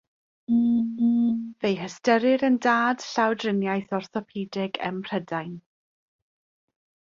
Fe'i hystyrir yn dad llawdriniaeth orthopedig ym Mhrydain.